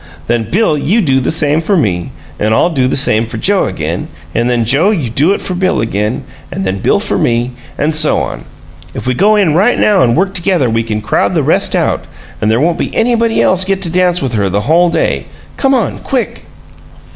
Then, Bill, you do the same for me, and I'll do the same for Joe again, and then, Joe, you do it for Bill again, and then Bill for me and so on. If we go in right now and work together we can crowd the rest out, and there won't anybody else get to dance with her the whole day! Come on quick!"